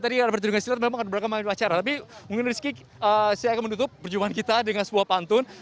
nah selain juga tadi berdiri dengan silat memang ada berbagai macam acara tapi mungkin rizky saya akan menutup perjuangan kita dengan sebuah pantun